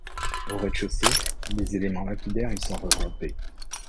Au rez-de-chaussée, des éléments lapidaires y sont regroupés.